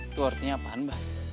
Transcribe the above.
itu artinya apa mbah